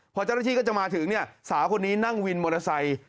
พอเจ้าหน้าที่ก็จะมาถึงเนี่ยสาวคนนี้นั่งวินมอเตอร์ไซค์